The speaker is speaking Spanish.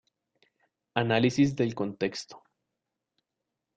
Análisis del contexto.